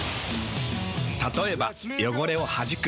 たとえば汚れをはじく。